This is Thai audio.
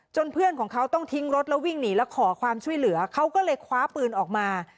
เพื่อนของเขาต้องทิ้งรถแล้ววิ่งหนีแล้วขอความช่วยเหลือเขาก็เลยคว้าปืนออกมา